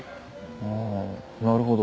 ああなるほど。